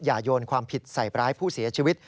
โยนความผิดใส่ร้ายผู้เสียชีวิต